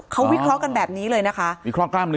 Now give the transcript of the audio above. เขาวิเครากันแบบนี้เลยนะคะ